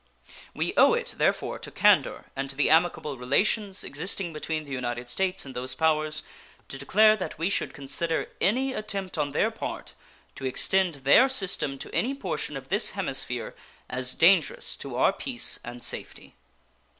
We owe it, therefore, to candor and to the amicable relations existing between the United States and those powers to declare that we should consider any attempt on their part to extend their system to any portion of this hemisphere as dangerous to our peace and safety.